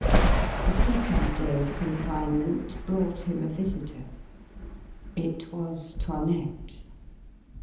The second day of confinement brought him a visitor. It was 'Toinette.